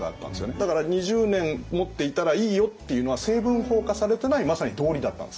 だから２０年持っていたらいいよっていうのは成文法化されてないまさに道理だったんです。